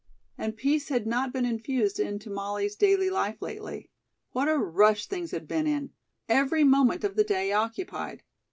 And peace had not been infused into Molly's daily life lately. What a rush things had been in; every moment of the day occupied.